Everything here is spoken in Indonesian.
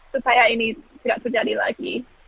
supaya ini tidak terjadi lagi